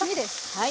はい。